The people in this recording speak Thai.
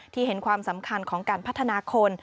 เห็นความสำคัญของการพัฒนาคน